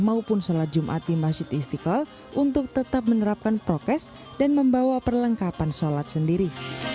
maupun sholat jumat di masjid istiqlal untuk tetap menerapkan prokes dan membawa perlengkapan sholat sendiri